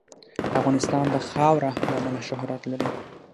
افغانستان د خاوره له امله شهرت لري.